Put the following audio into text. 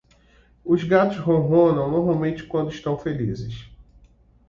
Os gatos ronronam normalmente quando estão felizes.